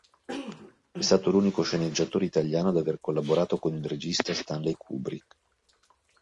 È stato l'unico sceneggiatore italiano ad aver collaborato con il regista Stanley Kubrick.